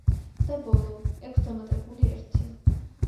და ბოლო, ექვს დამატებული ერთი.